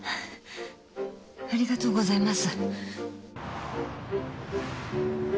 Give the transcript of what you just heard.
ありがとうございます。